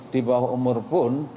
di bawah umur pun